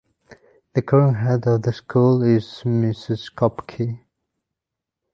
The current head of the school is Mrs. Koepke.